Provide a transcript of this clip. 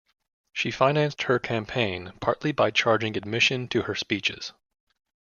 She financed her campaign partly by charging admission to her speeches.